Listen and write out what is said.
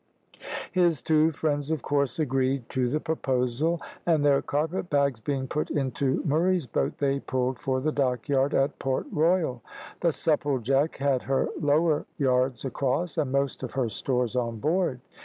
His two friends of course agreed to the proposal, and their carpet bags being put into Murray's boat they pulled for the Dockyard at Port Royal. The Supplejack had her lower yards across, and most of her stores on board.